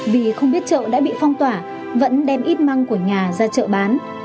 vì không biết chợ đã bị phong tỏa vẫn đem ít măng của nhà ra chợ bán